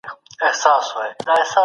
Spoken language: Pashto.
کرار یې کښېږده.